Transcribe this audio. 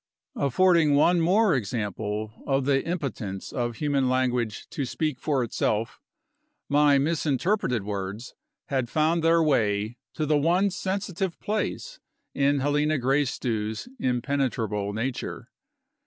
Affording one more example of the impotence of human language to speak for itself, my misinterpreted words had found their way to the one sensitive place in Helena Gracedieu's impenetrable nature.